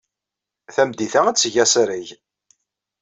Tameddit-a, ad d-teg asarag.